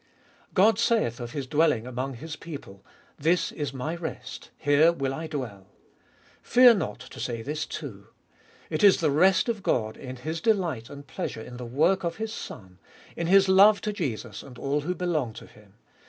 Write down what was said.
2. God saith of His dwelling among His people, "This is My rest ; here will I dwell." Fear not to say this too. It is the rest of God in His delight and pleasure In the work of His Son, In His love to Jesus and all who belong to Him.